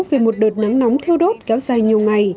về một đợt nắng nóng thiêu đốt kéo dài nhiều ngày